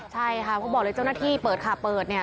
ใช่ค่ะเขาบอกเลยเจ้าหน้าที่เปิดค่ะเปิดเนี่ย